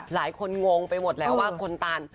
หลายคนงงไปหมดแล้วว่าคนตาน